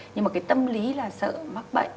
nhưng mà cái tâm lý là sợ mắc bệnh